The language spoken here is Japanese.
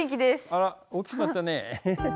あら大きくなったね。